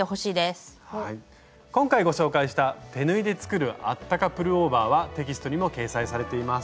今回ご紹介した手縫いで作るあったかプルオーバーはテキストにも掲載されています。